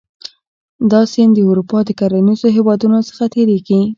دا سیند د اروپا د کرنیزو هېوادونو څخه تیریږي.